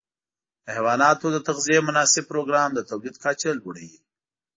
د حيواناتو د تغذیې مناسب پروګرام د تولید کچه لوړه وي.